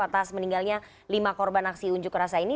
atas meninggalnya lima korban aksi unjuk rasa ini